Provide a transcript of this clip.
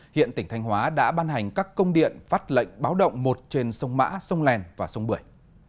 hiện tỉnh thanh hóa đã ban hành các công điện phát lệnh báo động một trên sông mã sông lèn và sông bưởi